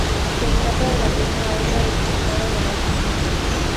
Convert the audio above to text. Se trata de la primera obra documentada del artista.